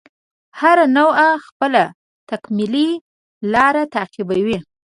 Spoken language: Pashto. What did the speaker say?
هره نوعه خپله تکاملي لاره تعقیبوي.